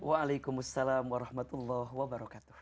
waalaikumsalam warahmatullahi wabarakatuh